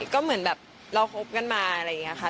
ก็เหมือนแบบเราคบกันมาอะไรอย่างนี้ค่ะ